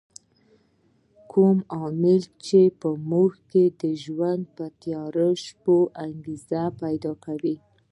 کوم عامل چې په موږ کې د ژوند په تیاره شپه انګېزه پیدا کوي.